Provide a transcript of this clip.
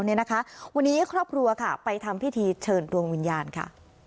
วันนี้ครอบครัวค่ะไปทำพิธีเชิญดวงวิญญาณค่ะ